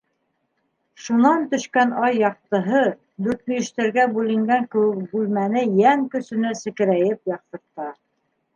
Шунан төшкән ай яҡтыһы дүртмөйөштәргә бүленгән кеүек бүлмәне йән көсөнә секерәйеп яҡтырта.